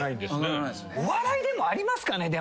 お笑いでもありますかね？